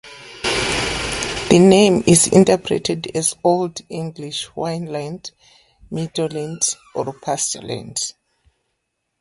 The name is interpreted as Old English wynn-land "meadow land" or "pasture land".